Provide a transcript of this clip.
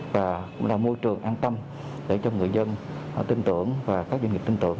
và cũng là môi trường an tâm để cho người dân tin tưởng và các doanh nghiệp tin tưởng